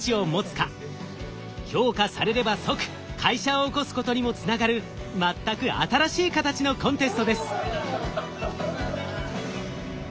評価されれば即会社を興すことにもつながる全く新しい形のコンテストです。